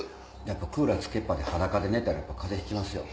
やっぱクーラーつけっぱで裸で寝たら風邪ひきますよ。